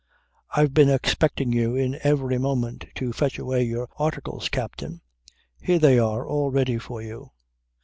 "I've been expecting you in every moment to fetch away your Articles, Captain. Here they are all ready for you."